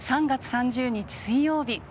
３月３０日水曜日。